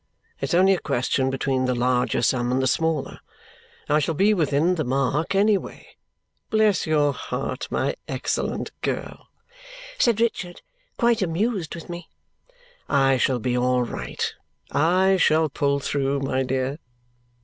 It's only a question between the larger sum and the smaller. I shall be within the mark any way. Bless your heart, my excellent girl," said Richard, quite amused with me, "I shall be all right! I shall pull through, my dear!"